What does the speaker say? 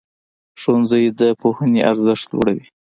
ښوونځی د پوهنې ارزښت لوړوي.